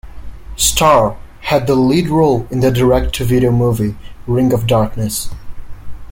Starr had the lead role in the Direct-To-Video movie, "Ring of Darkness".